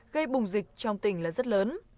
gây bùng dịch trong tỉnh là rất lớn